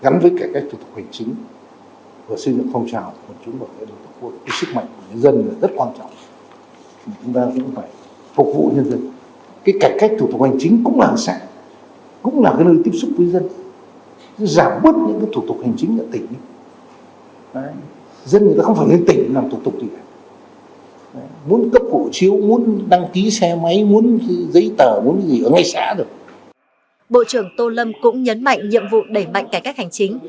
nhiệm vụ đẩy mạnh cải cách hành chính